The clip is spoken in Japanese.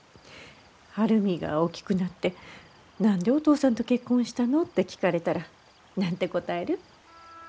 晴海が大きくなって「何でお父さんと結婚したの？」って聞かれたら何て答える？